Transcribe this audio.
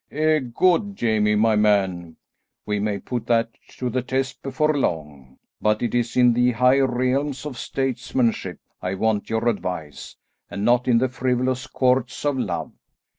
"E god, Jamie, my man, we may put that to the test before long, but it is in the high realms of statesmanship I want your advice, and not in the frivolous courts of love.